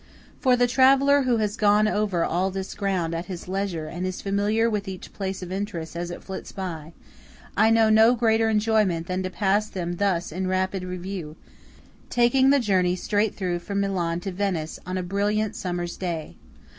For the traveller who has gone over all this ground at his leisure and is familiar with each place of interest as it flits by, I know no greater enjoyment than to pass them thus in rapid review, taking the journey straight through from Milan to Venice on a brilliant summer's day.